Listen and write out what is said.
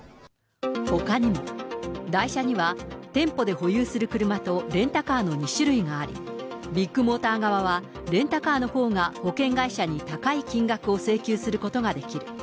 ほかにも、代車には店舗で保有する車とレンタカーの２種類があり、ビッグモーター側はレンタカーのほうが保険会社に高い金額を請求することができる。